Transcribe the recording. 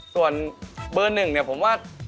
ส่วนเบอร์หนึ่งเนี่ยผมว่า